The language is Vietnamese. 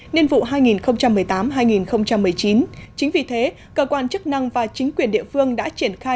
nhiên vụ hai nghìn một mươi tám hai nghìn một mươi chín chính vì thế cơ quan chức năng và chính quyền địa phương đã triển khai